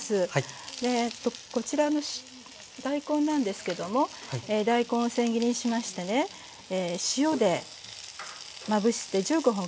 こちらの大根なんですけども大根をせん切りにしましてね塩でまぶして１５分おきました。